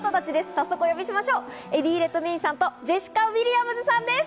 早速お呼びしましょう、エディ・レッドメインさんとジェシカ・ウィリアムズさんです。